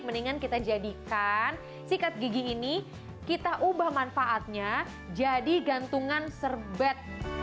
mendingan kita jadikan sikat gigi ini kita ubah manfaatnya jadi gantungan serbet